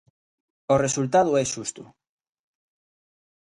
O resultado é xusto.